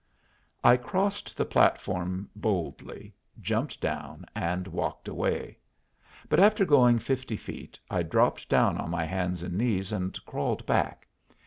I crossed the platform boldly, jumped down, and walked away. But after going fifty feet I dropped down on my hands and knees and crawled back.